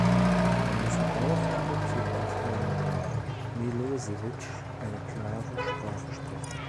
Wir müssen auch in bezug auf Herrn Milosevic eine klare Sprache sprechen.